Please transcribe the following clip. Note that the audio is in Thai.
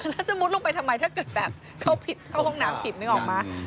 แล้วจะมุดลงไปทำไมถ้าเกิดแบบเข้าผิดเข้าห้องน้ำผิดนึกออกมา